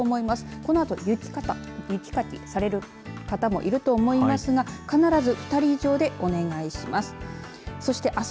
このあと雪かきをされる方もいると思いますが必ず２人以上でお願いします。